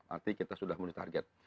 artinya kita sudah mencapai target